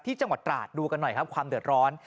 จังหวัดตราดดูกันหน่อยครับความเดือดร้อน